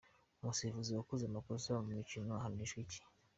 Umusifuzi wakoze amakosa mu mukino ahanishwa iki?.